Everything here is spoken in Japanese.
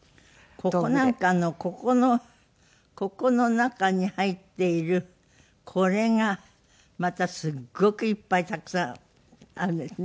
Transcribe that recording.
ここなんかここの中に入っているこれがまたすごくいっぱいたくさんあるんですね。